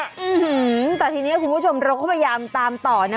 อืมแต่ทีนี้คุณผู้ชมเราก็พยายามตามต่อนะ